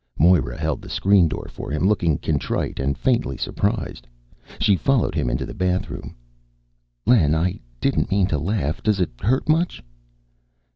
Moira held the screen door for him, looking contrite and faintly surprised. She followed him into the bathroom. "Len, I didn't mean to laugh. Does it hurt much?"